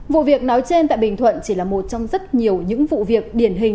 vụ việc nói trên tại bình thuận chỉ là một trong rất nhiều những vụ việc điển hình